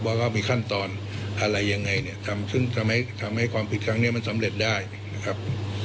เราก็มีขั้นตอนอะไรยังไงทำให้ของผิดคลั้งนี้มันสำเร็จได้ครับ